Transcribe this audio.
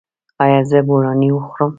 ایا زه بولاني وخورم؟